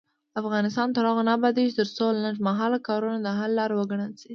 افغانستان تر هغو نه ابادیږي، ترڅو لنډمهاله کارونه د حل لاره وګڼل شي.